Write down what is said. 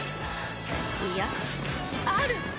いやある！